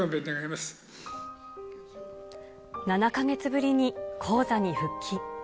ま７か月ぶりに高座に復帰。